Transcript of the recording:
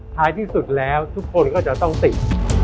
ท้ายที่สุดแล้วทุกคนก็จะต้องติด